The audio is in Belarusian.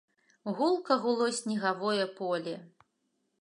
Гулка гуло снегавое поле.